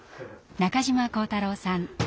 中嶋晃太郎さん